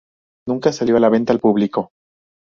Nunca salió a la venta al público.